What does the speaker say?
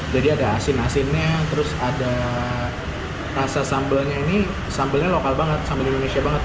jadi ada asin asinnya terus ada rasa sambelnya ini sambelnya lokal banget sambel indonesia banget